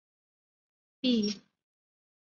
并且毕业。